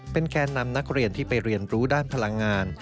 แกนนำนักเรียนที่ไปเรียนรู้ด้านพลังงาน